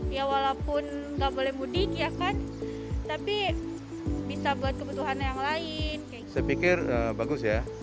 ya walaupun nggak boleh mudik ya kan tapi bisa buat kebutuhan yang lain saya pikir bagus ya